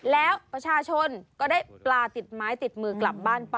แล้วประชาชนก็ได้ปลาติดไม้ติดมือกลับบ้านไป